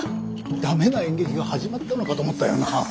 ダメな演劇が始まったのかと思ったよなぁ。